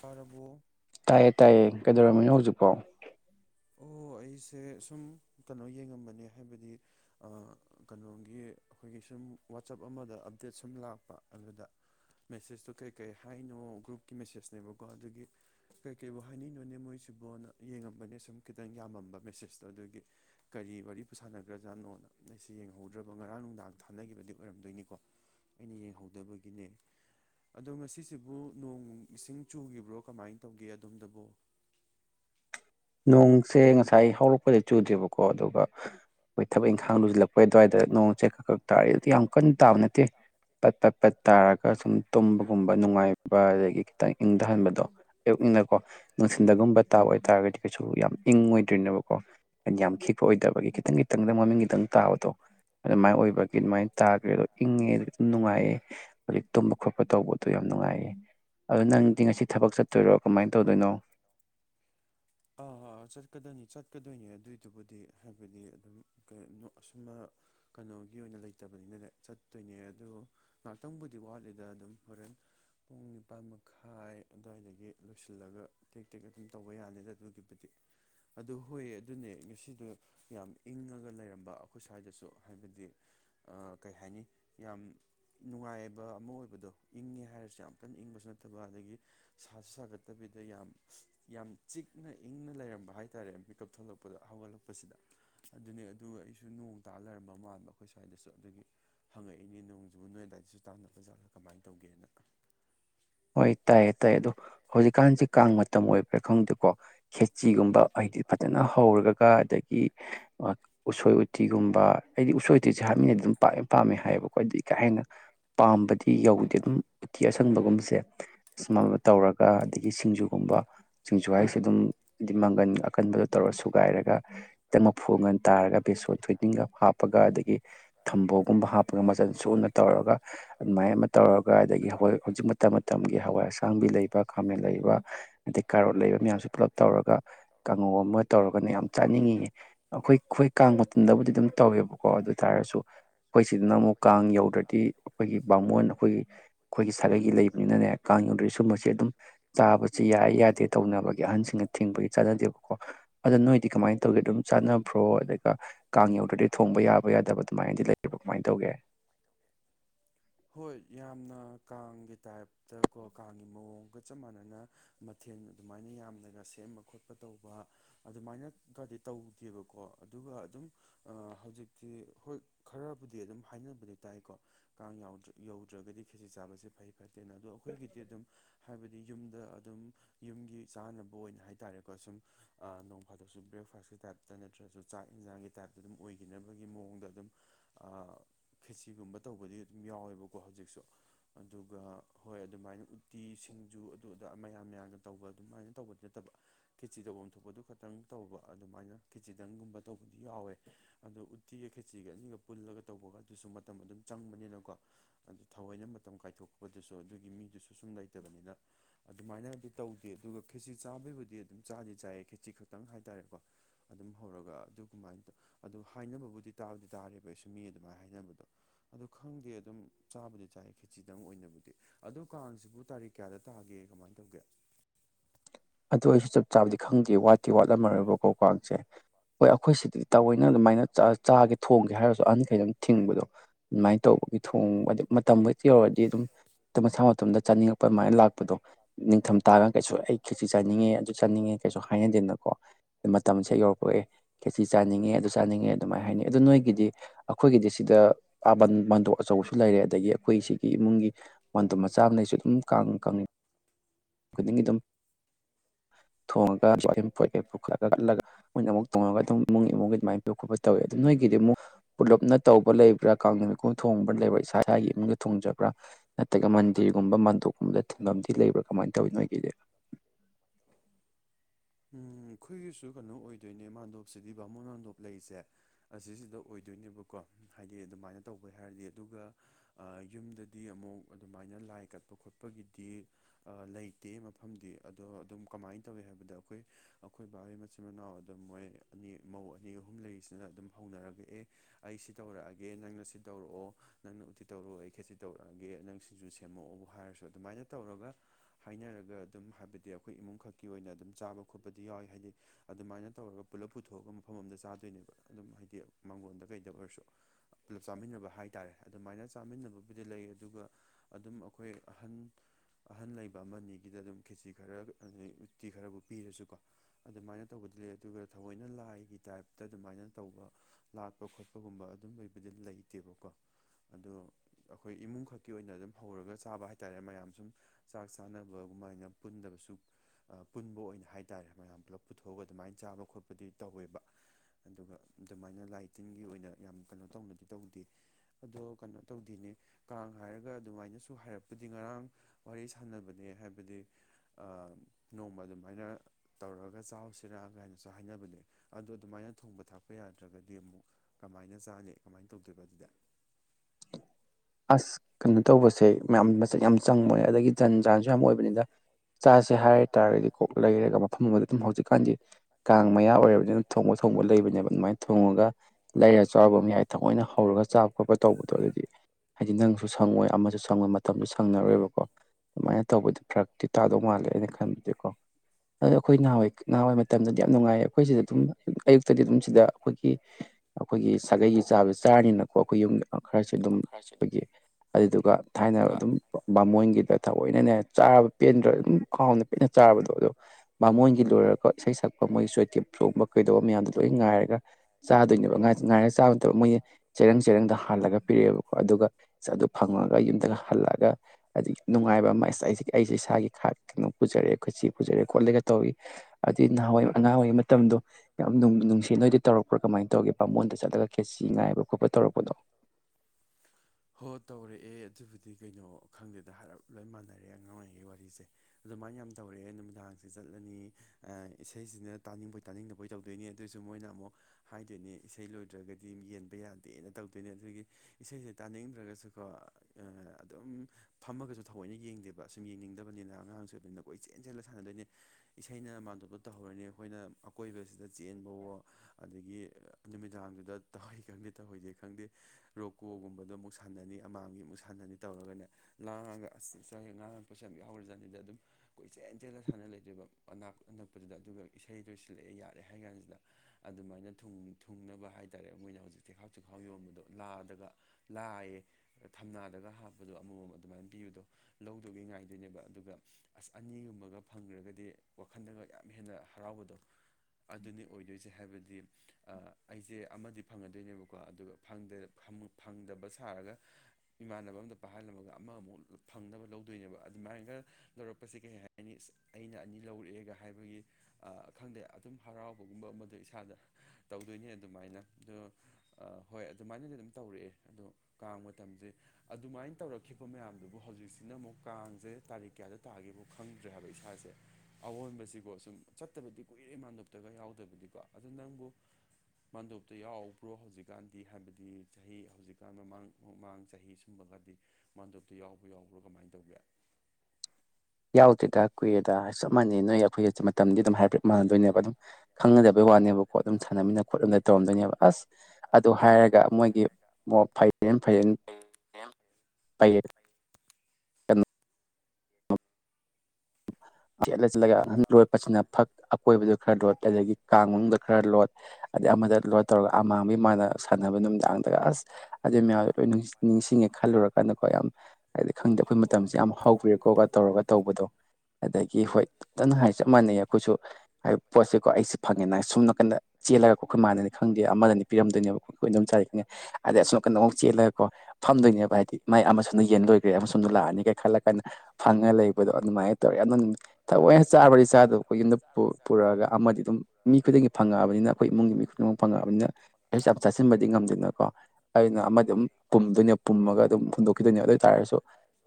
ꯇꯥꯔꯕꯣ ꯇꯥꯏꯌꯦ ꯇꯥꯏꯌꯦ ꯀꯩꯗꯧꯔꯝꯃꯤꯅꯣ ꯍꯧꯖꯤꯛꯐꯥꯎ ꯑꯣ ꯑꯩꯁꯦ ꯁꯨꯝ ꯀꯩꯅꯣ ꯌꯦꯡꯉꯝꯕꯅꯦ ꯍꯥꯏꯕꯗꯤ ꯀꯩꯅꯣꯒꯤ ꯑꯩꯈꯣꯏꯒꯤ ꯁꯨꯝ ꯋꯥꯆꯞ ꯑꯃꯗ ꯑꯞꯗꯦꯠ ꯁꯨꯝ ꯂꯥꯛꯄ ꯑꯗꯨꯗ ꯃꯦꯁꯦꯁꯇꯨ ꯀꯩ ꯀꯩ ꯍꯥꯏꯅꯣ ꯒ꯭ꯔꯨꯞꯀꯤ ꯃꯦꯁꯦꯁ ꯅꯦꯕꯀꯣ ꯑꯗꯨꯒꯤ ꯀꯩ ꯀ ꯍꯥꯏꯅꯅꯣꯅꯦ ꯃꯣꯏꯁꯤꯕꯨꯅ ꯌꯦꯡꯉꯝꯕꯅꯦ ꯁꯨꯝ ꯈꯤꯇꯪ ꯌꯥꯝꯃꯝꯕ ꯃꯦꯁꯦꯁꯇꯣ ꯑꯗꯨꯒꯤ ꯀꯔꯤ ꯋꯥꯔꯤ ꯄꯨ ꯁꯥꯟꯅꯒ꯭ꯔꯖꯥꯠꯅꯣꯅ ꯑꯩꯁ ꯌꯦꯡꯍꯧꯗ꯭ꯔꯕ ꯉꯔꯥꯡ ꯅꯨꯡꯗꯥꯡ ꯊꯥꯅꯈꯤꯕꯗꯤ ꯑꯣꯏꯔꯝꯗꯣꯏꯅꯤꯀꯣ ꯑꯩꯅ ꯌꯦꯡꯍꯧꯗꯕꯒꯤꯅꯦ ꯑꯗꯣ ꯉꯁꯤꯁꯤꯕꯨ ꯅꯣꯡ ꯏꯁꯤꯡ ꯆꯨꯈꯤꯕ꯭ꯔꯣ ꯀꯃꯥꯏꯅ ꯇꯧꯒꯦ ꯑꯗꯣꯝꯗꯕꯨ ꯅꯣꯡꯁꯦ ꯉꯁꯥꯏ ꯍꯧꯔꯛꯄꯗ ꯆꯨꯗ꯭ꯦꯕꯀꯣ ꯑꯗꯨꯒ ꯑꯩꯈꯣꯏ ꯊꯕꯛ ꯏꯪꯈꯥꯡ ꯂꯨꯁꯤꯜꯂꯛꯄꯩ ꯑꯗꯨꯋꯥꯏꯗ ꯅꯣꯡꯁꯦ ꯈꯛ ꯈꯛ ꯇꯥꯔꯗꯤ ꯌꯥꯝ ꯀꯟꯅ ꯇꯥꯕ ꯅꯠꯇꯦ ꯄꯠ ꯄꯠ ꯄꯠ ꯇꯥꯔꯒ ꯁꯨꯝ ꯇꯨꯝꯕꯒꯨꯝꯕ ꯅꯨꯡꯉꯥꯏꯕ ꯑꯗꯒꯤ ꯈꯤꯇꯪ ꯏꯪꯊꯍꯟꯕꯗꯣ ꯑꯌꯨꯛ ꯏꯅꯀꯣ ꯅꯨꯡꯁꯤꯟꯗꯒꯨꯝꯕ ꯇꯥꯕ ꯑꯣꯏꯇꯥꯔꯒꯗꯤ ꯀꯩꯁꯨ ꯌꯥꯝ ꯏꯪ ꯑꯣꯏꯗꯣꯏꯔꯤꯅꯦꯕꯀꯣ ꯍꯥꯏꯗꯤ ꯌꯥꯝ ꯈꯤꯛꯄ ꯑꯣꯏꯗꯕ ꯈꯤꯇꯪ ꯈꯤꯇꯪꯗꯪ ꯃꯃꯤꯡ ꯈꯤꯇꯪ ꯇꯥꯕꯗꯣ ꯑꯗꯨꯃꯥꯏꯅ ꯑꯣꯏꯕꯒꯤ ꯑꯗꯨꯃꯥꯏꯅ ꯇꯥꯈ꯭ꯔꯦ ꯑꯗꯣ ꯏꯪꯉꯦꯝ ꯅꯨꯡꯉꯥꯏꯌꯦ ꯍꯧꯛ ꯇꯨꯝꯕ ꯈꯣꯠꯄ ꯇꯧꯕꯗꯣ ꯌꯥꯝ ꯅꯨꯡꯉꯥꯏꯌꯦ ꯑꯗꯨꯣ ꯅꯪꯗꯤ ꯉꯁꯤ ꯊꯕꯛ ꯆꯠꯇꯣꯏꯔꯣ ꯀꯃꯥꯏꯅ ꯇꯧꯗꯣꯏꯅꯣ ꯑꯥ ꯑꯥ ꯑꯥ ꯆꯠꯀꯗꯣꯏꯅꯤ ꯆꯠꯀꯗꯣꯏꯅꯦ ꯑꯗꯨꯏꯗꯨꯕꯨꯗꯤ ꯍꯥꯏꯕꯗꯤ ꯑꯗꯨꯝ ꯀ ꯑꯁꯨꯝꯃ ꯀꯩꯅꯣꯒꯤ ꯑꯣꯏꯅ ꯂꯩꯇꯕꯅꯤꯅꯅꯦ ꯆꯠꯇꯣꯏꯅꯦ ꯑꯗꯨꯣ ꯉꯥꯏꯍꯥꯛꯇꯪꯕꯨꯗꯤ ꯋꯥꯠꯂꯤꯗ ꯑꯗꯨꯝ ꯍꯣꯔꯦꯟ ꯄꯨꯡ ꯅꯤꯄꯜ ꯃꯈꯥꯏ ꯑꯗꯨꯋꯥꯏꯗꯒꯤ ꯂꯣꯏꯁꯤꯜꯂꯒ ꯇꯦꯛ ꯇꯦꯛ ꯑꯗꯨꯝ ꯇꯧꯕ ꯌꯥꯅꯤꯗ ꯑꯗꯨꯒꯤꯕꯨꯗꯤ ꯑꯗꯨ ꯍꯣꯏꯌꯦ ꯑꯗꯨꯅꯦ ꯉꯁꯤꯗ ꯌꯥꯝ ꯏꯪꯉꯒ ꯂꯩꯔꯝꯕ ꯑꯩꯈꯣꯏ ꯁ꯭ꯋꯥꯏꯗꯁꯨ ꯍꯥꯏꯕꯗꯤ ꯀꯩ ꯍꯥꯏꯅꯤ ꯌꯥꯝ ꯅꯨꯡꯉꯥꯏꯕ ꯑꯃ ꯑꯣꯏꯕꯗꯣ ꯏꯪꯉꯦ ꯍꯥꯏꯔꯁꯨ ꯌꯥꯝ ꯀꯟꯅ ꯏꯪꯕꯁꯨ ꯅꯠꯇꯕ ꯑꯗꯒꯤ ꯁꯥꯁꯨ ꯁꯥꯒꯠꯇꯕꯤꯗ ꯌꯥꯝ ꯌꯥꯝ ꯆꯤꯛꯅ ꯏꯪꯅ ꯂꯩꯔꯝꯕ ꯍꯥꯏꯇꯥꯥꯔꯦ ꯃꯤꯀꯞ ꯊꯣꯛꯂꯛꯄꯗ ꯍꯧꯒꯠꯂꯛꯄ ꯆꯠꯄꯁꯤꯗ ꯑꯗꯨꯅꯦ ꯑꯗꯨꯒ ꯑꯩꯁꯨ ꯅꯣꯡ ꯇꯥ ꯂꯩꯔꯝꯕ ꯃꯥꯟꯕ ꯑꯩꯈꯣꯏ ꯁ꯭ꯋꯥꯏꯗꯁꯨ ꯑꯗꯨꯒꯤ ꯍꯪꯉꯛꯏꯅꯦ ꯅꯣꯡꯁꯤꯕꯨ ꯅꯣꯏ ꯑꯗꯨꯋꯥꯏꯗꯁꯨ ꯇꯥꯟꯅꯕ ꯖꯥꯠꯂꯥ ꯀꯃꯥꯏꯅ ꯇꯧꯒꯦꯅ ꯍꯣꯏ ꯇꯥꯏꯌꯦ ꯇꯥꯏꯌꯦ ꯑꯗꯣ ꯍꯧꯖꯤꯛꯀꯥꯟꯁꯦ ꯀꯥꯡ ꯃꯇꯝ ꯑꯣꯏꯕ꯭ꯔꯥ ꯈꯪꯗꯦꯀꯣ ꯈꯦꯆꯤꯒꯨꯝꯕ ꯍꯥꯏꯗꯤ ꯐꯖꯅ ꯍꯧꯔꯒ ꯑꯗꯒꯤ ꯎꯁꯣꯏ ꯎꯇꯤꯒꯨꯝꯕ ꯍꯥꯏꯗꯤ ꯎꯁꯣꯏ ꯎꯇꯤꯁꯦ ꯍꯥꯏꯃꯤꯟꯅꯩ ꯑꯗꯨꯝ ꯄꯥꯛꯑ ꯄꯥꯝꯃꯦ ꯍꯥꯏꯌꯦꯕꯀꯣꯣꯏꯗꯤ ꯀꯥ ꯍꯦꯟꯅ ꯄꯥꯝꯕꯗꯤ ꯌꯧꯗꯦ ꯑꯗꯨꯝ ꯎꯇꯤ ꯑꯁꯪꯕꯒꯨꯝꯕꯁꯦ ꯁꯨꯃꯥꯏꯅ ꯇꯧꯔꯒ ꯑꯗꯒꯤ ꯁꯤꯡꯖꯨꯒꯨꯝꯕ ꯁꯤꯡꯖꯨ ꯍꯥꯏꯁꯤꯦ ꯑꯗꯨꯝ ꯍꯥꯏꯗꯤ ꯃꯪꯒꯟ ꯑꯀꯟꯕꯗꯣ ꯇꯧꯔ ꯁꯨꯒꯥꯏꯔꯒ ꯈꯤꯇꯪ ꯃꯐꯨ ꯃꯒꯟ ꯇꯥꯔꯒ ꯕꯦꯁꯣꯟ ꯊꯣꯏꯗꯤꯡꯒ ꯍꯥꯞꯄꯒ ꯑꯗꯒꯤ ꯊꯝꯕꯣꯛꯒꯨꯝꯕ ꯍꯥꯞꯄꯒ ꯃꯆꯜ ꯁꯨꯅ ꯇꯧꯔꯒ ꯑꯗꯨꯃꯥꯏꯅ ꯑꯃ ꯇꯧꯔꯒ ꯑꯗꯒꯤ ꯍꯧ ꯍꯧꯖꯤꯛ ꯃꯇꯝ ꯃꯇꯝꯒꯤ ꯍꯋꯥꯏ ꯑꯁꯥꯡꯕꯤ ꯂꯩꯕ ꯈꯥꯃꯦꯟ ꯂꯩꯕ ꯑꯗꯩ ꯀꯥꯔꯣꯠ ꯂꯩꯕ ꯃꯌꯥꯝꯁꯤ ꯄꯨꯂꯞ ꯇꯧꯔꯒ ꯀꯥꯡꯍꯧ ꯑꯃ ꯇꯧꯔꯒꯅ ꯌꯥꯝ ꯆꯥꯅꯤꯡꯉꯉꯦ ꯑꯩꯈꯣꯏ ꯑꯩꯈꯣꯏ ꯀꯥꯡ ꯃꯇꯝꯗꯕꯨꯗꯤ ꯑꯗꯨꯝ ꯇꯧꯋꯦꯕꯀꯣ ꯑꯗꯨ ꯇꯥꯔꯁꯨ ꯑꯩꯈꯣꯏ ꯁꯤꯗꯅ ꯑꯃꯨꯛ ꯀꯥꯡ ꯌꯧꯗ꯭ꯔꯗꯤ ꯑꯩꯈꯣꯏꯒꯤ ꯕꯥꯃꯣꯟ ꯑꯩꯈꯣꯏꯒꯤ ꯑꯩꯈꯣꯏꯒꯤ ꯁꯥꯒꯩꯒꯤ ꯂꯩꯕ ꯅꯅꯦ ꯀꯥꯡ ꯌꯣꯟꯗ꯭ꯔꯦ ꯁꯨꯝꯕꯕꯁꯤꯦ ꯑꯗꯨꯝ ꯆꯥꯕꯁꯤ ꯌꯥꯏ ꯌꯥꯗꯦ ꯇꯧꯅꯕꯒꯤ ꯑꯍꯟꯁꯤꯡꯅ ꯊꯤꯡꯕꯒꯤ ꯆꯅꯗꯦꯕꯀꯣ ꯑꯗ ꯅꯣꯏꯗꯤ ꯀꯃꯥꯏꯅ ꯇꯧꯒꯦ ꯑꯗꯨꯝ ꯆꯥꯟꯅꯕ꯭ꯔꯣ ꯑꯗꯨꯒ ꯀꯥꯡ ꯌꯧꯗ꯭ꯔꯗꯤ ꯊꯣꯡꯕ ꯌꯥꯕ ꯌꯥꯗꯕ ꯑꯗꯨꯃꯥꯏꯅꯗꯤ ꯂꯩ ꯀꯃꯥꯏꯅ ꯇꯧꯒꯦ ꯍꯣꯏ ꯌꯥꯝꯅ ꯀꯥꯡꯒꯤ ꯇꯥꯏꯞꯇ ꯀꯣ ꯀꯥꯡꯒꯤ ꯃꯑꯣꯡꯒ ꯆꯞ ꯃꯥꯟꯅꯅ ꯃꯊꯦꯜ ꯑꯗꯨꯃꯥꯏꯅ ꯌꯥꯝꯅꯒ ꯁꯦꯝꯕ ꯈꯣꯠꯄ ꯆꯠꯄ ꯇꯧꯕ ꯑꯗꯨꯃꯥꯏꯅ ꯈꯗꯤ ꯇꯧꯗꯦꯕꯀꯣ ꯑꯗꯨꯒ ꯑꯗꯨꯝ ꯍꯧꯖꯤꯛꯇꯤ ꯍꯣꯏ ꯈꯔꯕꯨꯗꯤ ꯑꯗꯨꯝ ꯍꯥꯏꯅꯕꯗꯤ ꯇꯥꯏꯀꯣ ꯀꯥꯡ ꯌꯧꯗ꯭ꯔꯒꯗꯤ ꯈꯦꯁꯤ ꯆꯥꯕꯕꯁꯤꯦ ꯐꯩ ꯐꯠꯇꯦꯅ ꯑꯗꯣ ꯑꯩꯈꯣꯏꯒꯤꯗꯤ ꯑꯗꯨꯝ ꯍꯥꯏꯕꯗꯤ ꯌꯨꯝꯗ ꯑꯗꯨꯝ ꯌꯨꯝꯒꯤ ꯆꯥꯅꯕ ꯑꯣꯏꯅ ꯍꯥꯏꯇꯥꯔꯦ ꯁꯨꯝ ꯅꯣꯡ ꯐꯥꯗꯣꯛꯁꯨ ꯕ꯭ꯔꯦꯛꯐꯥꯁꯀꯤ ꯇꯥꯏꯞꯇ ꯅꯠꯇ꯭ꯔꯁꯨ ꯆꯥꯛ ꯌꯦꯟꯁꯥꯡꯒꯤ ꯇꯥꯏꯞꯇ ꯑꯗꯨꯝ ꯑꯣꯏꯈꯤꯅꯕꯒꯤ ꯃꯑꯣꯡꯗ ꯑꯗꯨꯝ ꯈꯤꯁꯤꯒꯨꯝꯕ ꯇꯧꯕꯗꯤ ꯑꯗꯨꯝ ꯌꯥꯎꯋꯦꯕꯀꯣ ꯍꯧꯖꯤꯛꯁꯨ ꯑꯗꯨꯒ ꯍꯣꯏ ꯑꯗꯨꯃꯥꯏꯅ ꯎꯇꯤ ꯁꯤꯡꯖꯨ ꯑꯗꯨ ꯑꯗꯥ ꯃꯌꯥꯝ ꯃꯌꯥꯝꯅ ꯇꯧꯕ ꯑꯗꯨꯃꯥꯏꯅ ꯇꯧꯕꯗꯤ ꯅꯠꯇꯕ ꯈꯦꯆꯤ ꯇꯧꯐꯝꯝ ꯊꯣꯛꯄꯗꯨ ꯈꯛꯇꯪ ꯇꯧꯕ ꯑꯗꯨꯃꯥꯏꯅ ꯈꯦꯆꯤꯗꯪꯒꯨꯝꯕ ꯇꯧꯕꯗꯤ ꯌꯥꯎꯋꯦ ꯑꯗꯣ ꯎꯠꯇꯤꯒ ꯈꯦꯆꯤꯒ ꯑꯅꯤꯒ ꯄꯨꯜꯂꯒ ꯇꯧꯕꯒ ꯑꯗꯨꯁꯨ ꯃꯇꯝ ꯑꯗꯨꯝ ꯆꯪꯕꯅꯤꯅꯀꯣ ꯑꯗꯨꯗ ꯊꯑꯣꯏꯅ ꯃꯇꯝ ꯀꯥꯏꯊꯣꯛꯄꯗꯨꯁꯨ ꯑꯗꯨꯒꯤ ꯃꯤꯗꯨꯁꯨ ꯁꯨꯝ ꯂꯩꯇꯕꯅꯤꯅ ꯑꯗꯨꯃꯥꯏꯅꯗꯤ ꯇꯧꯗꯦ ꯑꯗꯨꯒ ꯈꯦꯆꯤ ꯆꯥꯕꯩꯕꯨꯗꯤ ꯑꯗꯨꯝ ꯆꯥꯗꯤ ꯆꯥꯏꯌꯦ ꯈꯦꯆꯤ ꯈꯛꯇꯪ ꯍꯥꯏꯇꯥꯔꯦꯀꯣ ꯑꯗꯨꯝ ꯍꯧꯔꯒ ꯑꯗꯨꯃꯥꯏꯅ ꯇꯧ ꯑꯗꯨ ꯍꯥꯏꯅꯕꯕꯨꯗꯤ ꯇꯥꯕꯨꯗꯤ ꯇꯥꯔꯦꯕ ꯑꯩꯁꯨ ꯃꯤ ꯑꯗꯨꯃꯥꯏꯅ ꯍꯥꯏꯅꯕꯗꯣ ꯑꯗꯨꯗꯣ ꯈꯪꯗꯦ ꯑꯗꯨꯝ ꯆꯥꯕꯨꯗꯤ ꯆꯥꯏꯌꯦ ꯈꯦꯆꯤꯗꯪ ꯑꯣꯏꯅꯕꯨꯗꯤ ꯑꯗꯨꯗ ꯀꯥꯡꯁꯤꯕꯨ ꯇꯥꯔꯤꯛ ꯀꯌꯥꯗ ꯇꯥꯒꯦ ꯀꯃꯥꯏꯅ ꯇꯧꯒꯦ ꯑꯗꯨ ꯑꯩꯁꯨ ꯆꯞ ꯆꯥꯕꯗꯤ ꯈꯪꯗꯦ ꯋꯥꯠꯇꯦ ꯋꯥꯠꯂꯝꯃꯔꯣꯏꯕꯀꯣ ꯀꯥꯡꯁꯦ ꯍꯣꯏ ꯑꯩꯈꯣꯏ ꯁꯤꯗꯗꯤ ꯇꯥꯑꯣꯏꯅ ꯑꯗꯨꯃꯥꯏꯅ ꯆꯥꯒꯦ ꯊꯣꯡꯒꯦ ꯍꯥꯏꯔꯁꯨ ꯑꯍꯟꯈꯩ ꯑꯗꯨꯝ ꯊꯤꯡꯕꯗꯣ ꯑꯗꯨꯃꯥꯏꯅ ꯇꯧꯕꯒꯤ ꯊꯣꯡꯕ ꯃꯇꯝ ꯍꯩ ꯌꯧꯔꯗꯤ ꯑꯗꯨꯝꯇꯪ ꯃꯁꯥ ꯃꯇꯝꯗ ꯆꯥꯅꯤꯡꯉꯛꯄ ꯑꯗꯨꯃꯥꯏꯅ ꯂꯥꯛꯄ ꯗꯣ ꯅꯤꯡꯊꯝ ꯊꯥꯒ ꯀꯩꯁꯨ ꯑꯩ ꯈꯦꯁꯤ ꯆꯥꯅꯤꯡꯉꯦ ꯑꯗꯨ ꯆꯥꯅꯤꯡꯉꯦ ꯀꯩꯁꯨ ꯍꯥꯏꯅꯗꯦꯅꯀꯣ ꯃꯇꯝꯁꯦ ꯌꯧꯔꯛꯄꯑꯦ ꯈꯦꯁꯤꯤ ꯆꯥꯅꯤꯡꯉꯦ ꯑꯗꯨ ꯆꯥꯅꯤꯡꯉꯦ ꯑꯗꯨꯃꯥꯏꯅ ꯍꯥꯏꯅꯩ ꯑꯗꯨꯗꯣ ꯅꯣꯏꯒꯤꯗꯤ ꯑꯩꯈꯣꯏꯒꯤꯗꯤ ꯁꯤꯗ ꯃꯟꯗꯣꯞ ꯑꯆꯧꯕꯁꯨ ꯂꯩꯔꯦ ꯑꯗꯒꯤ ꯑꯩꯈꯣꯏ ꯁꯤꯒꯤ ꯏꯃꯨꯡꯒꯤ ꯋꯥꯟꯗꯣꯞ ꯃꯆꯥ ꯑꯃ ꯂꯩꯁꯨ ꯑꯗꯨꯝ ꯀꯥꯡ ꯀꯉ ꯈꯨꯗꯤꯡꯒꯤ ꯑꯗꯨꯝ ꯊꯣꯡꯉꯒ ꯄꯨꯠꯂꯠꯂꯒ ꯃꯣꯏꯅ ꯑꯃꯨꯛ ꯊꯣꯡꯉꯒ ꯑꯗꯨꯝ ꯏꯃꯨꯡ ꯏꯃꯨꯡꯒꯤ ꯑꯗꯨꯃꯥꯏꯅ ꯈꯣꯠꯄ ꯇꯧꯋꯤ ꯑꯗꯨ ꯅꯣꯏꯒꯤꯗꯤ ꯑꯃꯨꯛ ꯄꯨꯂꯞꯅ ꯇꯧꯕ ꯂꯩꯕ꯭ꯔꯥ ꯀꯥꯡꯂꯨꯞ ꯏꯀ ꯊꯣꯡꯕ꯭ꯔ ꯂꯩꯕ꯭ꯔꯥ ꯏꯁꯥ ꯏꯁꯥꯒꯤ ꯏꯃꯨꯡꯗ ꯊꯣꯡꯖꯕ꯭ꯔꯥ ꯅꯠꯇ꯭ꯔꯒ ꯃꯟꯗꯤꯔꯒꯨꯝꯕ ꯃꯟꯗꯣꯞꯀꯨꯝꯕꯗ ꯊ ꯂꯩꯕ꯭ꯔꯥ ꯀꯃꯥꯏꯅ ꯇꯧꯋꯤꯅꯣ ꯍꯥꯏꯒꯤꯗꯦꯕ ꯑꯩꯈꯣꯏꯒꯤꯁꯨ ꯀꯩꯅꯣ ꯑꯣꯏꯗꯣꯏꯅꯦ ꯃꯥꯟꯗꯣꯞꯁꯤꯗꯤ ꯕꯥꯃꯣꯟ ꯃꯥꯟꯗꯣꯞ ꯂꯩꯔꯤꯁꯦ ꯑꯁꯤꯁꯤꯗ ꯑꯣꯏꯗꯣꯏꯅꯦꯕꯀꯣ ꯍꯥꯏꯗꯤ ꯑꯗꯨꯃꯥꯏꯅ ꯇꯧꯕꯩ ꯍꯥꯏꯔꯗꯤ ꯑꯗꯨꯒ ꯌꯨꯝꯗꯗꯤ ꯑꯃꯨꯛ ꯑꯗꯨꯃꯥꯏꯅ ꯂꯥꯏ ꯀꯠꯄ ꯈꯣꯠꯄꯒꯤꯗꯤ ꯂꯩꯇꯦ ꯃꯐꯝꯗꯤ ꯑꯗꯣ ꯑꯗꯨꯝ ꯀꯃꯥꯏꯅ ꯇꯧꯏ ꯍꯥꯏꯕꯗ ꯑꯩꯈꯣꯏ ꯑꯩꯈꯣꯏ ꯕꯥꯒꯤ ꯃꯆꯤꯟ ꯃꯅꯥꯎ ꯑꯗꯨꯝ ꯃꯣꯏ ꯑꯅꯤ ꯃꯧ ꯑꯅꯤ ꯑꯍꯨꯝ ꯂꯩꯔꯤꯁꯤꯅ ꯑꯗꯨꯝ ꯍꯧꯅꯔꯒ ꯑꯦ ꯑꯩ ꯁꯤ ꯇꯧꯔꯛꯑꯒꯦ ꯅꯪꯅ ꯁꯤ ꯇꯧꯔꯛꯑꯣ ꯅꯪꯅ ꯎꯠꯇꯤ ꯇꯧꯔꯛꯑꯣ ꯑꯩ ꯈꯦꯁꯤ ꯇꯧꯔꯛꯑꯒꯦ ꯅꯪ ꯁꯤꯁꯨ ꯁꯦꯝꯃꯛꯑꯣ ꯍꯥꯏꯔꯁꯨ ꯑꯗꯨꯃꯥꯏꯅ ꯇꯧꯔꯒ ꯍꯥꯏꯅꯔꯒ ꯑꯗꯨꯝ ꯍꯥꯏꯕꯗꯤ ꯑꯩꯈꯣꯏ ꯏꯃꯨꯡꯈꯛꯀꯤ ꯑꯣꯏꯅ ꯑꯗꯨꯝ ꯆꯥꯕ ꯈꯣꯠꯄꯗꯤ ꯌꯥꯎꯏꯤ ꯍꯥꯏꯗꯤ ꯑꯗꯨꯃꯥꯏꯅ ꯇꯧꯔꯒ ꯄꯨꯂꯞ ꯄꯨꯊꯣꯛꯑꯒ ꯃꯐꯝ ꯑꯝꯗ ꯆꯥꯗꯣꯏꯅꯦꯕ ꯑꯗꯨꯝ ꯍꯥꯏꯗꯤ ꯃꯥꯡꯒꯣꯟꯗ ꯀꯩꯗ ꯑꯣꯏꯔꯁꯨ ꯄꯨꯂꯞ ꯆꯥꯃꯤꯟꯅꯕ ꯍꯥꯏꯇꯥꯔꯦ ꯑꯗꯨꯃꯥꯏꯅ ꯆꯥꯃꯤꯟꯅꯕꯕꯨꯗꯤ ꯂꯩ ꯑꯗꯨꯒ ꯑꯗꯨꯝ ꯑꯩꯈꯣꯏ ꯑꯍꯟ ꯑꯍꯟ ꯂꯩꯕ ꯑꯃꯅꯤ ꯑꯒꯤꯗ ꯑꯗꯨꯝ ꯈꯦꯆ ꯈꯔꯩ ꯎꯠꯇꯤ ꯈꯔꯕꯨ ꯄꯤꯔꯁꯨꯀꯣ ꯑꯗꯨꯃꯥꯏꯅ ꯇꯧꯕꯗꯤ ꯂꯩ ꯑꯗꯨꯒ ꯊꯑꯣꯏꯅ ꯂꯥꯏꯒꯤ ꯇꯥꯏꯞꯇ ꯑꯗꯨꯃꯥꯏꯅ ꯇꯧꯕ ꯂꯥꯠꯄ ꯈꯣꯠꯄꯒꯨꯝꯕ ꯑꯗꯨꯝ ꯂꯩꯕꯗꯤ ꯂꯩꯇꯦꯕꯀꯣ ꯑꯗꯣ ꯑꯩꯈꯣꯏ ꯏꯃꯨꯡꯈꯛꯀꯤ ꯑꯣꯏꯅ ꯑꯗꯨꯝ ꯍꯧꯔꯒ ꯆꯥꯕ ꯍꯥꯏꯇꯥꯥꯔꯦ ꯃꯌꯥꯝ ꯁꯨꯝ ꯆꯥꯛ ꯆꯥꯅꯕ ꯑꯗꯨꯃꯥꯏꯅ ꯄꯨꯟꯗꯕꯁꯨ ꯄꯨꯟꯕ ꯑꯣꯏꯅ ꯍꯥꯏꯇꯥꯔꯦ ꯃꯌꯥꯝ ꯄꯨꯂꯞ ꯄꯨꯊꯣꯛꯑꯒ ꯑꯗꯨꯃꯥꯏꯅ ꯆꯥꯕ ꯈꯣꯠꯄꯗꯤ ꯇꯧꯋꯦꯕ ꯑꯗꯨꯒ ꯑꯗꯨꯃꯥꯏꯅ ꯂꯥꯏ ꯇꯤꯟꯒꯤ ꯑꯣꯏꯅ ꯌꯥꯝ ꯀꯩꯅꯣ ꯇꯧꯅꯗꯤ ꯇꯧꯗꯦ ꯑꯗꯣ ꯀꯩꯅꯣ ꯇꯧꯗꯦꯅꯦ ꯀꯥꯡ ꯍꯥꯏꯔꯒ ꯑꯗꯨꯃꯥꯏꯅꯁꯨ ꯍꯥꯏꯔꯛꯄꯗꯤ ꯉꯔꯥꯡ ꯋꯥꯔꯤ ꯁꯥꯟꯅꯕꯅꯦ ꯍꯥꯏꯕꯗꯤ ꯅꯣꯡꯃ ꯑꯗꯨꯃꯥꯏꯅ ꯇꯧꯔꯒ ꯆꯥꯁꯤꯔꯥ ꯀꯥꯏꯅꯁꯨ ꯍꯥꯏꯅꯕꯅꯦ ꯑꯗꯨꯗ ꯑꯗꯨꯃꯥꯏꯅ ꯊꯣꯡꯕ ꯊꯥꯛꯄ ꯌꯥꯗ꯭ꯔꯒꯗꯤ ꯑꯃꯨꯛ ꯀꯃꯥꯏꯅ ꯆꯥꯅꯤ ꯀꯃꯥꯏꯅ ꯇꯧꯗꯣꯏꯒ ꯑꯗꯨꯗ ꯑꯁ ꯀꯩꯅꯣ ꯇꯧꯕꯁꯦ ꯃꯌꯥꯝ ꯃꯆꯠ ꯌꯥꯝ ꯆꯪꯕꯅꯦ ꯑꯗꯒꯤ ꯖꯟ ꯆꯥꯟꯁꯨ ꯌꯥꯝ ꯑꯣꯏꯕꯅꯤꯗ ꯆ ꯁꯦ ꯍꯥꯏꯔ ꯇꯥꯔꯒꯗꯤ ꯀꯣꯛ ꯂꯩꯔꯒ ꯃꯐꯝ ꯑꯃꯗ ꯑꯗꯨꯝ ꯍꯧꯖꯤꯛꯀꯥꯟꯗꯤ ꯀꯥꯡ ꯃꯌꯥ ꯑꯣꯏꯔꯕꯅꯤꯅ ꯊꯣꯡꯕ ꯊꯣꯡꯕ ꯂꯩꯕꯅꯦꯕ ꯑꯗꯨꯃꯥꯏꯅ ꯊꯣꯡꯉꯒ ꯂꯩꯔ ꯆꯥꯕ ꯃꯤ ꯌꯥꯏ ꯊꯪꯅ ꯍꯧꯔꯒ ꯆꯥꯕ ꯈꯣꯠꯄ ꯇꯧꯕꯗꯣ ꯑꯗꯨꯗꯤ ꯅꯪꯁꯨ ꯁꯪꯉꯣꯏ ꯑꯃꯁꯨ ꯁꯪꯉꯣꯏ ꯃꯇꯝꯁꯨ ꯁꯪꯅꯔꯣꯏꯕꯀꯣ ꯑꯗꯨꯃꯥꯏꯅ ꯇꯧꯕꯗ ꯐꯔꯛꯇꯤ ꯇꯥꯗꯧ ꯃꯥꯜꯂꯦꯅ ꯈꯟꯕꯗꯤꯀꯣ ꯑꯗꯨ ꯑꯩꯈꯣꯏ ꯅꯍꯥꯟꯋꯥꯏ ꯅꯍꯥꯟꯋꯥꯏ ꯃꯇꯝꯗꯗꯤ ꯌꯥꯝ ꯅꯨꯡꯉꯥꯏꯌꯦ ꯑꯩꯈꯣꯏ ꯁꯤꯗ ꯑꯗꯨꯝ ꯑꯌꯨꯛꯇꯗꯤ ꯑꯗꯨꯝ ꯁꯤꯗ ꯑꯩꯈꯣꯏꯒꯤ ꯁꯥꯒꯩꯒꯤ ꯆꯥꯕ ꯆꯥꯔꯅꯤꯅꯀꯣ ꯑꯩꯈꯣꯏ ꯌꯨꯝ ꯈꯔꯁꯦ ꯑꯗꯨꯝ ꯈꯔ ꯑꯩ ꯑꯗꯨꯗꯨꯒ ꯊꯥꯏꯅꯅꯕ ꯑꯗꯨꯒ ꯑꯗꯨꯝ ꯕꯥꯃꯣꯟꯒꯤꯗ ꯊꯑꯣꯏꯅꯅꯦ ꯆꯥꯔꯕ ꯄꯦꯟꯗ꯭ꯔ ꯑꯗꯨꯝ ꯈꯥꯎꯅ ꯄꯦꯅ ꯆꯥꯕꯗꯣ ꯑꯗꯣ ꯃꯃꯣꯟꯒꯤ ꯂꯣꯏꯔꯒꯀꯣ ꯏꯁꯩ ꯁꯛꯄ ꯃꯣꯏꯒꯤ ꯆꯋꯦꯠ ꯀꯦꯞ ꯆꯣꯡꯕ ꯀꯩꯗꯧꯕ ꯃꯌꯥꯝꯗꯣ ꯂꯣꯏ ꯉꯥꯏꯔꯒ ꯆꯥꯗꯣꯏꯅꯦꯕ ꯉꯥꯏꯔꯒ ꯆꯥꯕꯠꯇꯕ ꯃꯣꯏꯅ ꯆꯦꯔꯪ ꯆꯦꯔꯪꯗ ꯍꯥꯜꯂꯒ ꯄꯤꯔꯛꯑꯦꯕ ꯑꯗꯨꯒ ꯏꯁ ꯑꯗꯨ ꯐꯪꯉꯒ ꯌꯨꯝꯗꯒ ꯍꯜꯂꯛꯑꯒ ꯍꯥꯏꯗꯒꯤ ꯅꯨꯡꯉꯥꯏꯕ ꯑꯃꯁꯤ ꯑꯩꯁꯦ ꯏꯁꯥꯒꯤ ꯈ ꯀꯩꯅꯣ ꯄꯨꯖꯔꯛꯦ ꯈꯨꯠꯁꯤ ꯄꯨꯖꯔꯦ ꯈꯣꯠꯂꯦꯒ ꯇꯧꯋꯤ ꯑꯗꯨꯏ ꯅꯍꯥꯟꯋꯥꯏ ꯑꯍꯥ ꯑꯣꯏꯏꯉꯩ ꯃꯇꯝꯗꯣ ꯌꯥꯝ ꯅꯨꯡꯁꯤꯠ ꯅꯣꯏꯗꯤ ꯇꯧꯔꯛꯄ꯭ꯔꯥ ꯀꯃꯥꯏꯅ ꯇꯧꯒꯦ ꯄꯥꯝꯕꯣꯟꯗ ꯆꯠꯂꯒ ꯈꯦꯠꯆ ꯉꯥꯏꯕ ꯈꯣꯠꯄ ꯇꯧꯔꯛꯄꯗꯣ ꯍꯣ ꯇꯧꯔꯛꯑꯦ ꯑꯗꯨꯕꯨꯗꯤ ꯀꯩꯅꯣ ꯈꯪꯗꯦꯗ ꯍꯥꯏꯔꯞ ꯂꯣꯏ ꯃꯥꯟꯅꯔꯦ ꯑꯉꯥꯡ ꯑꯣꯏꯩ ꯑꯩꯒꯤ ꯋꯥꯔꯤꯁꯦ ꯑꯗꯨꯃꯥꯏꯅ ꯌꯥꯝ ꯇꯧꯔꯛꯑꯦ ꯅꯨꯃꯤꯗꯥꯡꯁꯦ ꯆꯠꯂꯅꯤ ꯏꯁꯩꯁꯤꯅ ꯇꯥꯅꯤꯡꯕꯣꯏ ꯇꯥꯅꯤꯡꯗꯕꯣꯏ ꯇꯧꯗꯣꯏꯅꯤ ꯑꯗꯨꯏꯁꯨ ꯃꯣꯏꯅ ꯑꯃꯨꯛ ꯍꯥꯏꯗꯣꯏꯅꯦ ꯏꯁꯩ ꯂꯣꯏꯗ꯭ꯔꯒꯗꯤ ꯌꯦꯟꯕ ꯌꯥꯗꯦꯅ ꯇꯧꯗꯣꯏꯅꯦ ꯑꯗꯨꯗꯒꯤ ꯏꯁꯩꯁꯦ ꯇꯥꯅꯤꯡꯗ꯭ꯔꯒꯁꯨꯀꯣ ꯑꯗꯨꯝ ꯐꯝꯃꯒꯁꯨ ꯊꯑꯣꯏꯅ ꯌꯦꯡꯗꯦꯕ ꯑꯁꯨꯝ ꯌꯦꯡꯅꯤꯡꯗꯕꯅꯤꯅ ꯑꯉꯥꯡꯁꯨ ꯑꯣꯏꯕꯅꯤꯅ ꯑꯩꯈꯣꯏ ꯏ ꯆꯦꯟ ꯆꯦꯜꯂ ꯁꯥꯟꯅꯗꯣꯏꯅꯤ ꯏꯁꯩꯅ ꯃꯥꯟ ꯇꯣꯞꯄ ꯇꯧꯍꯧꯔꯅꯤ ꯑꯩꯈꯣꯏꯅ ꯑꯀꯣꯏꯕꯁꯤꯗ ꯆꯦꯟꯕꯋ ꯑꯗꯒꯤ ꯅꯨꯃꯤꯗꯥꯡꯗꯨꯗ ꯇꯧꯍꯩ ꯈꯪꯗꯦ ꯇꯧꯍꯩꯗꯦ ꯈꯪꯗꯦ ꯔꯣꯀꯣꯒꯨꯝꯕꯗꯣ ꯑꯃꯨꯛ ꯁꯥꯟꯅꯅꯤ ꯑꯃꯝꯒꯤ ꯑꯃꯨꯛ ꯁꯥꯟꯅꯅꯤ ꯇꯧꯔꯒꯅꯦ ꯂꯥꯡꯉꯒ ꯑꯁ ꯆꯦꯛ ꯉꯥꯡ ꯄꯣꯠꯁꯦ ꯑꯃ ꯌꯥꯎꯔ ꯖꯥꯠꯅꯤꯗ ꯑꯗꯨꯝ ꯀꯣꯏꯆꯦꯟ ꯆꯦꯜꯂ ꯁꯥꯟꯅ ꯂꯩꯇꯦꯕ ꯑꯅꯥꯛ ꯑꯅꯛꯄꯗꯨꯗ ꯑꯗꯨꯒ ꯏꯁꯩꯗꯣꯏ ꯁꯤꯜꯂꯛꯑꯦ ꯌꯥꯔꯦ ꯍꯥꯏ ꯀꯥꯟꯁꯤꯗ ꯑꯗꯨꯃꯥꯏꯅ ꯊꯨꯡꯅꯕ ꯍꯥꯏꯇꯥꯔꯦ ꯃꯣꯏꯅ ꯍꯧꯖꯤꯛ ꯆꯦꯈꯥꯎ ꯆꯦꯈꯥꯎ ꯌꯣꯟꯕꯗꯣ ꯂꯥꯗꯒ ꯂꯥꯏꯌꯦ ꯊꯝꯅꯥꯗꯒ ꯍꯥꯞꯄꯗꯣ ꯑꯃꯃꯝ ꯑꯗꯨꯃꯥꯏꯅ ꯄꯤꯕꯗꯣ ꯂꯧꯗꯨꯒꯤ ꯉꯥꯏ ꯍꯥꯏꯗꯣꯏꯅꯦꯕ ꯑꯗꯨꯒ ꯑꯁ ꯑꯅꯤꯒꯨꯝꯕꯒ ꯐꯪꯈ꯭ꯔꯒꯗꯤ ꯋꯥꯈꯜꯗꯒ ꯌꯥꯝ ꯍꯦꯟꯅ ꯍꯔꯥꯎꯕꯗꯣ ꯑꯗꯨꯅꯤ ꯑꯣꯏꯗꯣꯏꯁꯦ ꯍꯥꯏꯕꯗꯤ ꯑꯩꯁꯦ ꯑꯃꯗꯤ ꯐꯪꯉꯗꯣꯏꯅꯦꯕꯀꯣ ꯑꯗꯨꯒ ꯐꯪꯗꯕ ꯁꯥꯔꯒ ꯏꯃꯥꯟꯅꯕ ꯑꯝꯗ ꯄꯥꯍꯜꯂꯝꯃꯒ ꯑꯃ ꯑꯃꯨꯛ ꯐꯪꯅꯕ ꯂꯧꯗꯣꯏꯅꯦꯕ ꯑꯗꯨꯃꯥꯏꯅꯒ ꯂꯧꯔꯛꯄꯁꯦ ꯀꯩ ꯍꯥꯏꯅꯤ ꯑꯩꯅ ꯑꯅꯤ ꯂꯧꯔꯛꯑꯦꯒ ꯍꯥꯏꯕꯒꯤ ꯑ ꯈꯪꯗꯩ ꯑꯗꯨꯝ ꯍꯔꯥꯎꯕꯒꯨꯝꯕ ꯑꯃꯗꯣ ꯏꯁꯥꯗ ꯇꯧꯗꯣꯏꯅꯦ ꯑꯗꯨꯃꯥꯏꯅ ꯑꯗꯣ ꯍꯣꯏ ꯑꯗꯨꯃꯥꯏꯅꯗꯤ ꯑꯗꯨꯝ ꯇꯧꯔꯛꯑꯦ ꯑꯗꯣ ꯀꯥꯡ ꯃꯇꯝꯁꯦ ꯑꯗꯨꯃꯥꯏꯅ ꯇꯧꯔꯛꯈꯤꯕ ꯃꯌꯥꯝꯗꯨꯕꯨ ꯍꯧꯖꯤꯛꯁꯤꯅ ꯑꯃꯨꯛ ꯀꯥꯡ ꯦ ꯇꯥꯔꯤꯛ ꯀꯌꯥꯗ ꯇꯥꯒꯦꯕꯨ ꯈꯪꯗ꯭ꯔꯦ ꯍꯥꯏꯕ ꯏꯁꯥꯁꯦ ꯑꯑꯣꯟꯕꯁꯤꯀꯣ ꯁꯨꯝ ꯆꯠꯇꯕꯗꯤ ꯀꯨꯏꯔꯦ ꯃꯥꯟꯗꯣꯞꯇꯒ ꯌꯥꯎꯗꯕꯗꯤꯀꯣ ꯑꯗꯣ ꯅꯪꯕꯨ ꯃꯥꯟꯗꯣꯞꯇ ꯌꯥꯎꯕ꯭ꯔꯣ ꯍꯧꯖꯤꯛꯀꯥꯟꯗꯤ ꯍꯥꯏꯕꯗꯤ ꯆꯍꯤ ꯍꯧꯖꯤꯛꯀꯥꯟ ꯃꯃꯥꯡ ꯃꯃꯥꯡ ꯆꯍꯤ ꯁꯨꯝꯕꯒꯗꯤ ꯃꯥꯟꯗꯣꯞꯇ ꯌꯥꯎꯕ꯭ꯔꯥ ꯌꯥꯎꯕ꯭ꯔꯣ ꯀꯃꯥꯏꯅ ꯇꯧꯒꯦ ꯌꯥꯎꯗꯦꯗ ꯀꯨꯏꯦꯗ ꯆꯞ ꯃꯥꯟꯅꯩ ꯅꯣꯏ ꯑꯩꯈꯣꯏ ꯃꯇꯝꯗꯤ ꯑꯗꯨꯝ ꯍꯥꯏꯐꯦꯠ ꯃꯥꯟꯅꯗꯣꯏꯅꯦꯕ ꯑꯗꯨꯝ ꯈꯪꯅꯗꯕꯩ ꯋꯥꯅꯦꯕꯀꯣꯠ ꯑꯗꯨꯝ ꯁꯥꯟꯅꯃꯤꯟꯅ ꯈꯣꯠꯂꯝꯕꯗ ꯇꯧꯔꯝꯗꯣꯏꯅꯦꯕ ꯑꯁ ꯑꯗꯨ ꯍꯥꯏꯔꯒ ꯃꯣꯏꯒꯤ ꯃꯣ ꯐꯖꯅ ꯐꯖꯅ ꯃꯥ ꯐꯩꯌꯦ ꯀꯣ ꯆꯠꯂ ꯆꯠꯂꯒꯦ ꯄ ꯐꯛ ꯑꯀꯣꯏꯕꯗꯣ ꯈꯔ ꯂꯣꯠ ꯑꯗꯒꯤ ꯀꯥꯡ ꯃꯅꯨꯡꯗ ꯈꯔ ꯂꯣꯠ ꯑꯗꯩ ꯑꯃꯗ ꯂꯣꯠ ꯇꯧꯔꯒ ꯑꯃꯥꯡꯕ ꯏ ꯃꯥꯅ ꯁꯥꯟꯅꯕ ꯅꯨꯃꯤꯗꯥꯡꯗꯒ ꯑꯁ ꯑꯗꯨꯩ ꯃꯌꯥꯝꯗꯣ ꯂꯣꯏ ꯅꯤꯡꯁꯤꯡꯉꯦ ꯈꯜꯂꯨꯔꯀꯥꯟꯗꯀꯣ ꯌꯥꯝ ꯍꯥꯏꯕꯗꯤ ꯈꯪꯗꯦ ꯑꯩꯈꯣꯏ ꯃꯇꯝꯁꯦ ꯌꯥꯝ ꯍꯧꯕꯤꯔꯦꯀꯣꯒ ꯇꯧꯔꯒ ꯇꯧꯕꯗꯣ ꯑꯗꯒꯤ ꯍꯣꯏ ꯐꯖꯅ ꯍꯥꯏ ꯆꯞ ꯃꯥꯟꯅꯩ ꯑꯩꯈꯣꯏ ꯍꯥꯏ ꯄꯣꯠꯁꯤꯦꯣ ꯑꯩꯁꯤ ꯐꯪꯉꯦꯅ ꯑꯁꯣ ꯅꯥꯀꯟꯗ ꯆꯦꯜꯂꯒ ꯑꯩꯈꯣꯏ ꯃꯥꯅꯅꯤ ꯈꯪꯗꯦ ꯑꯃꯗꯅꯤ ꯄꯤꯔꯝꯗꯣꯏꯅꯦꯕ ꯑꯩ ꯑꯩꯈꯣꯏ ꯑꯗꯨꯝ ꯆꯥꯔꯤ ꯈꯪꯉꯦ ꯍꯥꯏꯗꯤ ꯑꯁꯣ ꯅꯥꯀꯟꯗ ꯑꯃꯨꯛ ꯆꯦꯜꯂꯒꯀꯣ ꯐꯝꯗꯣꯏꯅꯦꯕ ꯍꯥꯏꯗꯤ ꯃꯥꯏ ꯑꯃ ꯁꯣꯝꯗ ꯌꯦꯟꯗꯣꯏꯈ꯭ꯔꯦ ꯑꯃ ꯁꯣꯝꯗ ꯂꯥꯛꯑꯅꯤꯒꯥꯏ ꯈꯜꯂ ꯀꯥꯏꯗ ꯐꯪꯉ ꯂꯩꯕꯗꯣ ꯑꯗꯨꯃꯥꯏꯅ ꯌꯥꯝ ꯊꯏꯅ ꯆꯥꯕ ꯆꯥꯗꯣ ꯑꯩꯈꯣꯏꯒꯤ ꯄꯨꯔꯛꯑꯒ ꯑꯃꯗꯤ ꯑꯗꯨꯝ ꯃꯤ ꯈꯨꯗꯤꯡꯒꯤ ꯐꯪꯉꯛꯑꯕꯅꯤꯅ ꯑꯩꯈꯣꯏ ꯏꯃꯨꯡꯒꯤ ꯃꯤ ꯈꯨꯗꯤꯡꯃꯛ ꯐꯪꯉꯛꯑꯕꯅꯤꯅ ꯑꯩꯁꯨ ꯆꯥꯁꯤꯟꯕꯗꯤ ꯉꯝꯗꯦꯅꯀꯣ ꯑꯗꯨꯅ ꯑꯃꯗꯤ ꯑꯗꯨꯝ ꯄꯨꯝꯗꯣꯏꯅꯦ ꯄꯨꯝꯃꯒ ꯑꯗꯨꯝ ꯍꯨꯟꯗꯣꯛꯈꯤꯗꯣꯏꯅꯦ ꯑꯗꯨ ꯑꯣꯏ ꯇꯥꯔꯁꯨ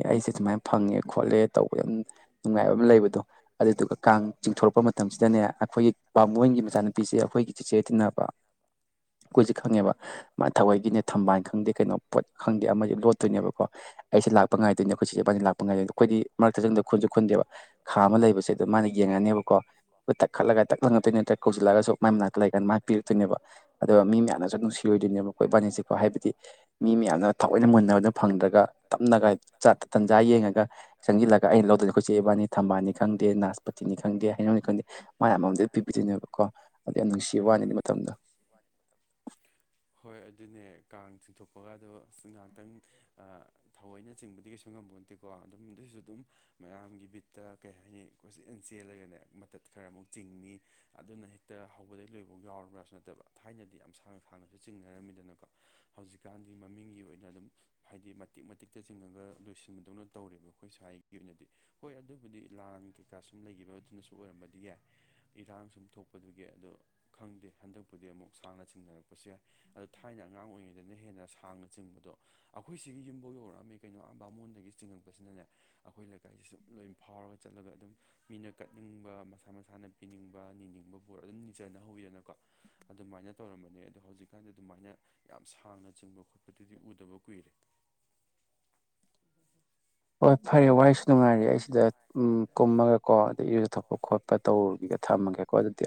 ꯑꯩꯁꯦ ꯁꯨꯃꯥꯏꯅ ꯐꯪꯉꯦ ꯈꯣꯠꯂꯦ ꯇꯧꯕ ꯑꯗꯨ ꯅꯨꯡꯉꯥꯏꯕ ꯑꯃ ꯂꯩꯕꯗꯣ ꯑꯗꯨꯗꯨꯒ ꯀꯥꯡ ꯆꯤꯡꯊꯣꯔꯛꯄ ꯃꯇꯝ ꯃꯇꯝꯁꯤꯗꯅꯦ ꯑꯩꯈꯣꯏꯒꯤ ꯄꯥꯝꯕꯣꯟꯒꯤ ꯃꯆꯥꯅꯨꯄꯤꯁꯦ ꯑꯩꯈꯣꯏꯒꯤ ꯆꯤꯆꯦ ꯇꯤꯟꯅꯕ ꯑꯩꯈꯣꯏꯁꯦ ꯈꯪꯉꯦꯕ ꯃꯥ ꯊꯋꯥꯏꯒꯤꯅꯦ ꯊꯝꯕꯥꯜꯟ ꯈꯪꯗꯦ ꯀꯩꯅꯣ ꯄꯣꯠ ꯈꯪꯗꯦ ꯑꯃ ꯂꯣꯠꯇꯣꯏꯅꯦꯕꯀꯣ ꯑꯩꯁꯦ ꯂꯥꯛꯄ ꯉꯥꯏꯗꯣꯏꯅꯦ ꯑꯩꯈꯣꯏ ꯆꯤꯆꯦ ꯏꯕꯥꯥꯟꯁꯦ ꯂꯥꯛꯄ ꯉꯥꯏꯗꯣꯏ ꯑꯩꯈꯣꯏꯗꯤ ꯃꯔꯛꯇ ꯈꯨꯨꯟꯗꯦꯕ ꯈꯥ ꯑꯃ ꯂꯩꯕꯁꯦꯗ ꯃꯥꯅ ꯌꯦꯡꯉꯅꯦꯕꯀꯣ ꯇꯛ ꯈꯠꯂꯒ ꯇꯛ ꯂꯪꯉꯛꯇꯣꯏ ꯅꯠꯇ꯭ꯔ ꯀꯧꯁꯤꯜꯂꯒꯁꯨ ꯃꯥꯏ ꯃꯅꯥꯛꯇ ꯂꯩꯔꯀꯥꯟꯗ ꯃꯥꯏ ꯄꯤꯔꯛꯇꯣꯏꯅꯦꯕ ꯑꯗꯨꯒ ꯃꯤ ꯃꯌꯥꯝꯅꯁꯨ ꯅꯨꯡꯁꯤꯔꯣꯏꯗꯣꯏꯅꯦꯕ ꯑꯩꯈꯣꯏꯕꯥꯅꯤꯁꯤꯀꯣ ꯍꯥꯏꯕꯗꯤ ꯃꯤ ꯃꯌꯥꯝꯅ ꯊꯑꯣꯏꯅ ꯃꯨꯟꯅꯕꯗꯨ ꯐꯪꯗ꯭ꯔꯒ ꯇꯞꯅꯒ ꯆꯥ ꯇꯟꯖꯥ ꯌꯦꯡꯉꯒ ꯆꯪꯁꯤꯜꯂꯒ ꯑꯩꯅ ꯂꯧꯗꯣꯏꯅꯦ ꯑꯩꯈꯣꯏꯆꯦ ꯏꯕꯥꯅꯤ ꯊꯝꯕꯥꯜꯅꯤ ꯈꯪꯗꯦ ꯅꯥꯁꯄꯇꯤꯅꯤ ꯈꯪꯗꯦ ꯑꯩꯅꯣꯅꯤ ꯈꯪꯗꯦ ꯃ ꯑꯃꯃꯝꯗ ꯄꯤꯕꯤꯗꯣꯏꯅꯦꯕꯀꯣ ꯑꯗꯣ ꯌꯥꯝ ꯅꯨꯡꯁꯤꯕ ꯋꯥꯅꯤꯗꯤ ꯃꯇꯝꯗꯣ ꯍꯣꯏ ꯑꯗꯨꯅꯦ ꯀꯥꯡ ꯆꯤꯡꯊꯣꯛꯄꯒ ꯑꯗꯣ ꯑ ꯉꯥꯏꯍꯥꯛꯇꯪ ꯊꯑꯣꯏꯅꯆꯤꯡꯕꯗꯤ ꯀꯩꯁꯨ ꯉꯝꯕ ꯅꯠꯇꯦꯀꯣ ꯑꯗꯨꯝ ꯑꯗꯨꯏꯁꯨ ꯑꯗꯨꯝ ꯃꯌꯥꯝꯒꯤ ꯕꯤꯠꯇ ꯀꯩ ꯍꯥꯏꯅꯤ ꯀꯣꯏꯆꯦꯟ ꯆꯦꯜꯂꯒꯅꯦ ꯃꯇꯠ ꯈꯔ ꯑꯃꯨꯛ ꯆꯤꯡꯉ ꯑꯗꯨꯅ ꯍꯦꯛꯇ ꯍꯧꯕꯗꯩ ꯂꯣꯏꯕꯐꯧ ꯌꯥꯎꯔꯕ꯭ꯔꯥꯁꯨ ꯅꯠꯇꯕ ꯊꯥꯏꯅꯗꯤ ꯌꯥꯝ ꯁꯥꯡꯅ ꯁꯥꯡꯅꯁꯨ ꯆꯤꯡꯅꯔꯝꯃꯤꯗꯅꯀꯣ ꯍꯧꯖꯤꯛꯀꯥꯟꯒꯤ ꯃꯃꯤꯡꯒꯤ ꯑꯣꯏꯅ ꯑꯗꯨꯝ ꯍꯥꯏꯗꯤ ꯃꯇꯤꯛ ꯃꯇꯤꯛꯇ ꯆꯤꯡꯉꯒ ꯂꯣꯏꯁꯤꯟꯕꯗꯧꯅ ꯇꯧꯔꯦꯕ ꯑꯩꯈꯣꯏ ꯁ꯭ꯋꯥꯏꯒꯤ ꯑꯣꯏꯅꯗꯤ ꯍꯣꯏ ꯑꯗꯨꯕꯨꯗꯤ ꯂꯥꯡ ꯀꯩꯀꯥ ꯁꯨꯝ ꯂꯩꯈꯤꯕ ꯑꯗꯨꯅ ꯁ ꯑꯣꯏꯔꯝꯕꯗꯤ ꯌꯥꯏ ꯏꯔꯥꯡ ꯁꯨꯝ ꯊꯣꯛꯄꯗꯨꯒꯤ ꯑꯗꯣ ꯈꯪꯗꯦ ꯍꯟꯗꯛꯄꯨꯗꯤ ꯑꯃꯨꯛ ꯁꯥꯡꯅ ꯆꯤꯡꯅꯔꯛꯄꯁꯨ ꯌꯥꯏ ꯑꯗꯣ ꯊꯥꯏꯅ ꯑꯉꯥꯡ ꯑꯣꯏꯔꯤꯉꯩꯗꯅ ꯍꯦꯟꯅ ꯁꯥꯡꯅ ꯆꯤꯡꯕꯗꯣ ꯑꯩꯈꯣꯏꯁꯤꯒꯤ ꯌꯨꯝꯐ ꯌꯧꯔꯛꯑꯝꯃꯤ ꯀꯩꯅꯣ ꯑꯝꯕ ꯑꯃꯣꯟꯗꯒꯤ ꯆꯤꯡꯉꯛꯄꯁꯤꯅꯅꯦ ꯑꯩꯈꯣꯏ ꯂꯩꯀꯥꯏꯁꯤꯦ ꯁꯨꯝ ꯂꯣꯏ ꯐꯥꯎꯔꯒ ꯆꯠꯂꯒ ꯑꯗꯨꯝ ꯃꯤꯅ ꯀꯠ ꯆꯠꯅꯤꯡꯕ ꯃꯁꯥ ꯃꯁꯥꯅ ꯄꯤꯅꯤꯡꯕ ꯅꯤꯅꯤꯡꯕꯕꯨꯔ ꯑꯗꯨꯝ ꯅꯤꯖꯅꯍꯧꯋꯤꯗꯅꯀꯣ ꯑꯗꯨꯃꯥꯏꯅ ꯇꯧꯔꯝꯕꯅꯦ ꯑꯗꯣ ꯍꯧꯖꯤꯛꯀꯥꯟꯗꯤ ꯑꯗꯨꯃꯥꯏꯅ ꯌꯥꯝ ꯁꯥꯡꯅ ꯆꯤꯡꯕ ꯈꯣꯠꯄꯗꯨꯗꯤ ꯎꯗꯕ ꯀꯨꯏꯔꯦ ꯍꯣꯏ ꯐꯔꯦ ꯋꯥꯁꯨ ꯅꯨꯡꯉꯥꯏꯔꯦ ꯑꯩꯁꯤꯗ ꯀꯨꯝꯃꯒꯀꯣ ꯑꯗꯩ ꯏꯔꯨꯖꯊꯣꯛꯄ ꯈꯣꯠꯄ ꯇꯧꯔꯨꯒꯒ ꯊꯝꯃꯒꯦꯀꯣ ꯑꯗꯨꯗꯤ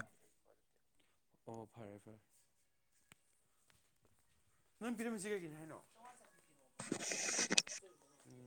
ꯑꯣ ꯐꯔꯦ ꯐꯔꯦ ꯅꯪ ꯄꯤꯔꯝꯃꯤꯁꯤ ꯀꯩꯒꯤꯅꯣ ꯍꯥꯏꯅꯣ ꯎꯝ